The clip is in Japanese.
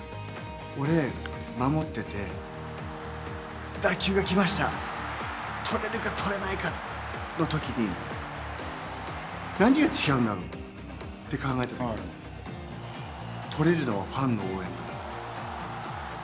俺、守ってて、打球が来ました、捕れるか捕れないかのときに、何が違うんだろうって考えたときに、捕れるのはファンの応援。